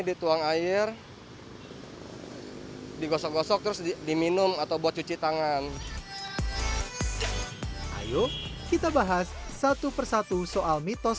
dituang air digosok gosok terus diminum atau buat cuci tangan ayo kita bahas satu persatu soal mitos